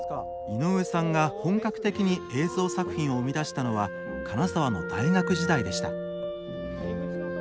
井上さんが本格的に映像作品を生み出したのは金沢の大学時代でした。